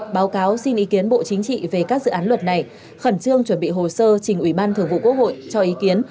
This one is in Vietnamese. báo cáo xin ý kiến bộ chính trị về các dự án luật này khẩn trương chuẩn bị hồ sơ trình ủy ban thường vụ quốc hội cho ý kiến